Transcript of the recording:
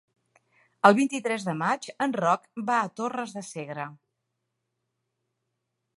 El vint-i-tres de maig en Roc va a Torres de Segre.